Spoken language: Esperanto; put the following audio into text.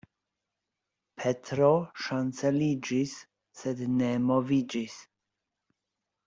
Petro ŝanceliĝis, sed ne moviĝis.